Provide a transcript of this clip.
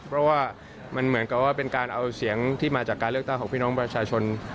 เพราะว่ามันเหมือนกับว่าเป็นการเอาเสียงที่มาจากการเลือกตั้งของพี่น้องประชาชน